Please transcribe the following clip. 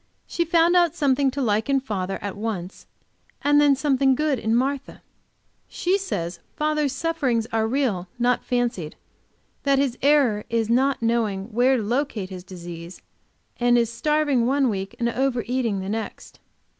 She found out something to like in father at once, and then something good in Martha. She says father's sufferings are real, not fancied; that his error is not knowing where to locate his disease, and is starving one week and over eating the next.